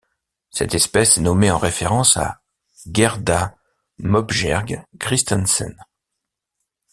Cette espèce est nommée en référence à Gerda Møbjerg Kristensen.